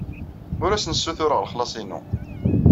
Ur asen-ssutureɣ lexlaṣ-inu.